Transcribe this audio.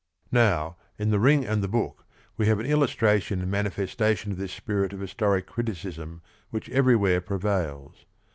Now in The Ring and the Book we have an il lustration and manifestation of this spirit of his toric criticism which everywhere prevails.